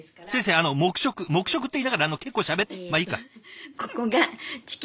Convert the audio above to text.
あの黙食黙食って言いながら結構しゃべってまあいいか。